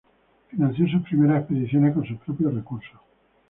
Financió sus primeras expediciones con sus propios recursos.